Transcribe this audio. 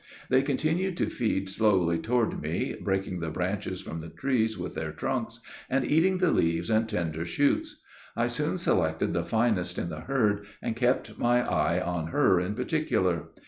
They continued to feed slowly toward me, breaking the branches from the trees with their trunks, and eating the leaves and tender shoots. I soon selected the finest in the herd, and kept my eye on her in particular.